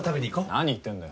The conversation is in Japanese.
何言ってんだよ